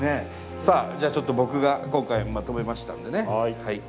さあじゃあちょっと僕が今回まとめましたんでね。